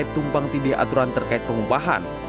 tumpang tidak aturan terkait pengupahan